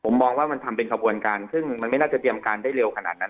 ผมมองว่ามันทำเป็นขบวนการซึ่งมันไม่น่าจะเตรียมการได้เร็วขนาดนั้น